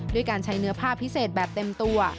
ด้วยการใช้เนื้อผ้าพิเศษแบบเต็มตัว